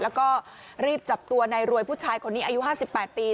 แล้วก็รีบจับตัวในรวยผู้ชายคนนี้อายุ๕๘ปี